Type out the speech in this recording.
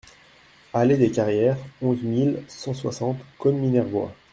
Allée des Carrières, onze mille cent soixante Caunes-Minervois